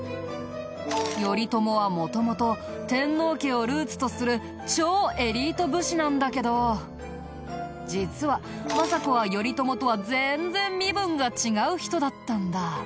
頼朝は元々天皇家をルーツとする超エリート武士なんだけど実は政子は頼朝とは全然身分が違う人だったんだ。